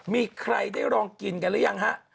มีใครได้ลองกินกันหรือยังฮะ